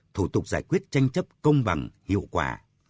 một mươi thủ tục giải quyết tranh chấp công bằng hiệu quả